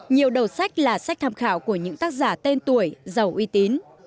nhiều đầu sách là sách tham khảo của những tác giả tên tuổi giàu uy tín